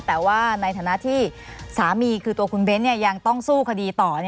แต่ว่าในฐานะที่สามีคือตัวคุณเบ้นยังต้องสู้คดีต่อ